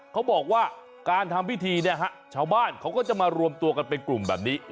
เขาบอกว่าการทำพิธีเนี่ยฮะชาวบ้านเขาก็จะมารวมตัวกันเป็นกลุ่มแบบนี้